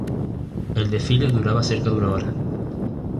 El desfile duraba cerca de una hora.